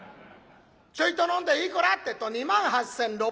ちょいと飲んで「いくら？」ってえと「２万８，６００円」。